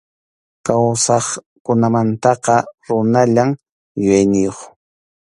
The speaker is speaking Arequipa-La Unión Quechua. Kawsaqkunamantaqa runallam yuyayniyuq.